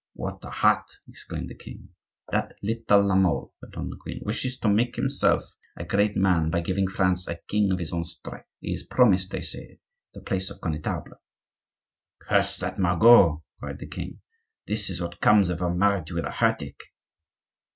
"What a heart!" exclaimed the king. "That little La Mole," went on the queen, "wishes to make himself a great man by giving France a king of his own stripe. He is promised, they say, the place of connetable." "Curse that Margot!" cried the king. "This is what comes of her marriage with a heretic."